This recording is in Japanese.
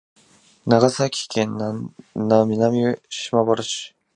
長崎県南島原市